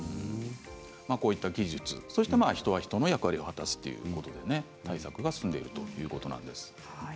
こうした技術、人は人の役割を果たすという対策が進んでいるということです。